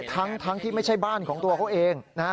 ทั้งที่ไม่ใช่บ้านของตัวเขาเองนะฮะ